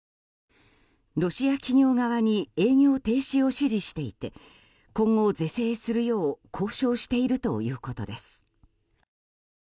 ロシア企業側に営業停止を指示していて今後、是正するよう交渉しているということです。